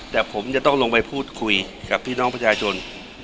แต่ผมจะต้องลงไปพูดคุยกับพี่น้องประชาชน